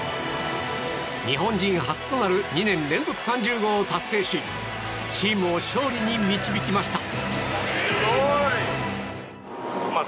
日本人初となる２年連続３０号を達成しチームを勝利に導きました。